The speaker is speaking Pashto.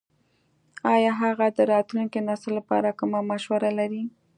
ایا هغه د راتلونکي نسل لپاره کومه مشوره لري ?